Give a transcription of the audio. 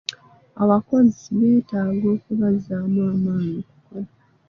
Abakozi beetaaga okubazzaamu amaanyi okukola.